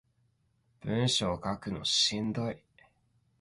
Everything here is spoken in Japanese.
文章書くのしんどい